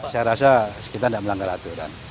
saya rasa kita tidak melanggar aturan